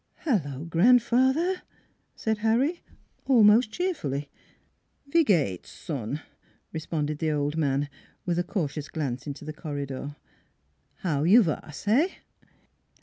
" Hello, grandfather," said Harry, almost cheerfully. " Wie geht's, son," responded the old man, with a cautious glance into the corridor. " How you vas heh?